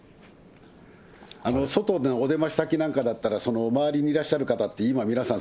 外でのお出まし先なんかだったら、周りにいらっしゃる方って、今、皆さん